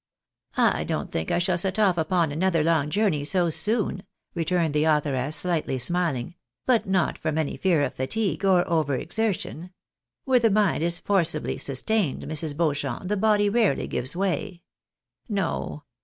" I don't think that I shall set off upon another long journey so soon," returned the authoress, slightly smiling ;" but not from any fear of fatigue, or over exertion. Where the mind is forcibly sustained, IMrs. Beauchamp, the body rarely gives way. No